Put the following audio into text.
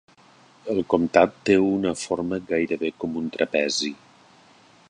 El comtat té una forma gairebé com un trapezi.